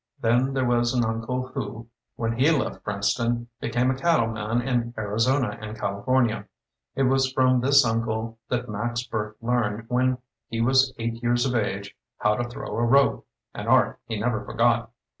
Then there was an uncle who, when he left Princeton, became a cattle man in Arizona and California. It was from this uncle that Max Burt learned when he was eight years of age how to throw a rope, an art he never forgot.